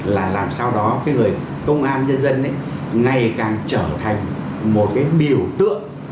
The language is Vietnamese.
là làm sao đó cái người công an nhân dân ấy ngày càng trở thành một cái biểu tượng